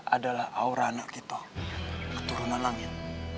adalah aura anak kita keturunan langit